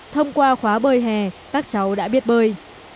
thông qua khóa bơi hè các cháu đã biết bơi